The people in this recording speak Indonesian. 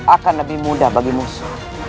akan lebih mudah bagi musuh